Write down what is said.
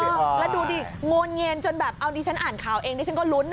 ฮั่นเห็นว่านี่ง้วนเงียนจนแบบอันนี้ฉันอ่านข่าวเองผมก็รุ้น